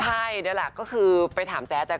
ใช่นั้นแหละก็คือไปถามแจ๊กใช่ไหม